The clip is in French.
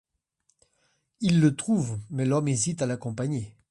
Il le trouve, mais l'homme hésite à l'accompagner.